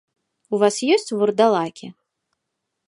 У вас ёсць вурдалакі?